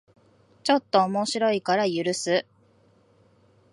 ちょっと面白いから許す